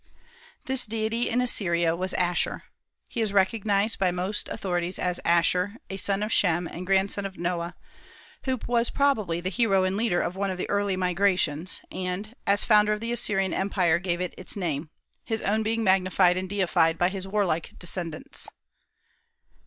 This deity in Assyria was Asshur. He is recognized by most authorities as Asshur, a son of Shem and grandson of Noah, who was probably the hero and leader of one of the early migrations, and, as founder of the Assyrian Empire, gave it its name, his own being magnified and deified by his warlike descendants.